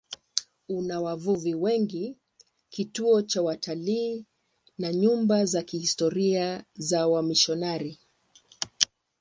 Una wavuvi wengi, kituo cha watalii na nyumba za kihistoria za wamisionari.